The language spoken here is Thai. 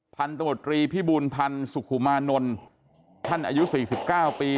พันธุรกรีพิบูลพันธุ์สุขุมานนท์ท่านอายุสี่สิบเก้าปี